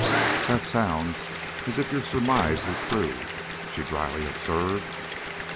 "That sounds as if your surmise was true," she dryly observed.